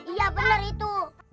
iya bener itu